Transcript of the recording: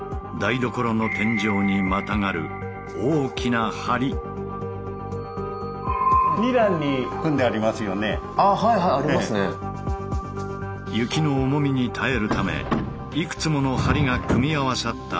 雪の重みに耐えるためいくつもの梁が組み合わさった複雑な構造になっている。